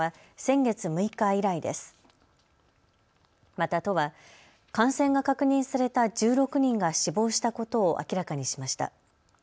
また都は感染が確認された１６人が死亡したことを明らかにしました。